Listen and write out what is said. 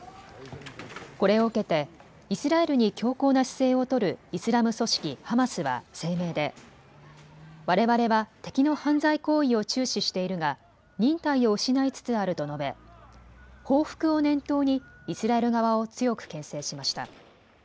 これを受けてイスラエルに強硬な姿勢を取るイスラム組織ハマスは声明でわれわれは敵の犯罪行為を注視しているが忍耐を失いつつあると述べ報復を念頭にイスラエル側を強くけん制しました。